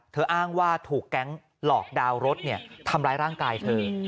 อ้างว่าถูกแก๊งหลอกดาวน์รถทำร้ายร่างกายเธอ